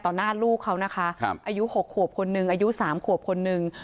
ต่อหน้าลูกเขานะคะครับอายุหกขวบคนนึงอายุสามขวบคนนึง